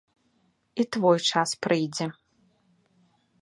І твой час прыйдзе.